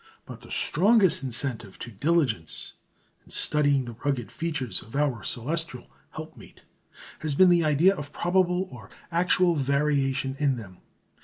But the strongest incentive to diligence in studying the rugged features of our celestial helpmate has been the idea of probable or actual variation in them.